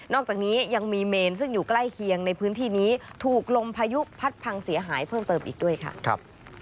อกจากนี้ยังมีเมนซึ่งอยู่ใกล้เคียงในพื้นที่นี้ถูกลมพายุพัดพังเสียหายเพิ่มเติมอีกด้วยค่ะ